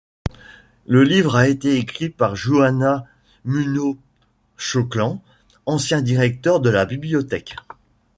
Le livre a été écrit par Juana Muñoz Choclán, ancien directeur de la bibliothèque.